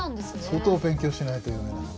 相当勉強しないと読めない。